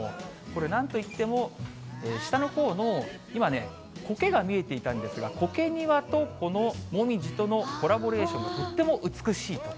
これ、なんといっても、下のほうの今ね、こけが見えていたんですが、こけ庭とこのもみじとのコラボレーションがとっても美しいと。